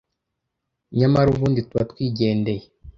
Nyamara Ubundi tuba twigendeye